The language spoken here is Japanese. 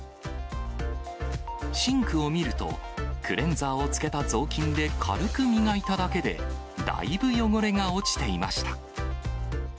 シンクを見ると、クレンザーをつけた雑巾で軽く磨いただけで、だいぶ汚れが落ちていました。